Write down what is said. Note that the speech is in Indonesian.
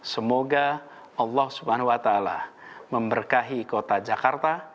semoga allah swt memberkahi kota jakarta